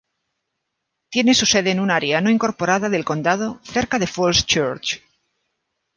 Tiene su sede en una área no incorporada del condado, cerca de Falls Church.